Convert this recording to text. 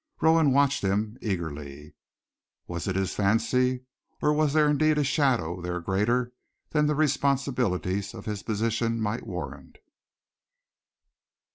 Rowan watched him eagerly. Was it his fancy, or was there indeed a shadow there greater than the responsibilities of his position might warrant?